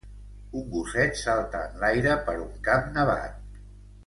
Un gosset salta enlaire per un camp nevat.